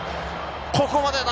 ここまでだ。